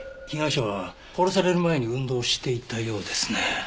被害者は殺される前に運動していたようですね。